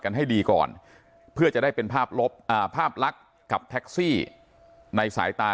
กันให้ดีก่อนเพื่อจะได้เป็นภาพลักษณ์กับแท็กซี่ในสายตา